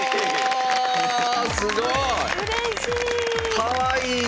すごい！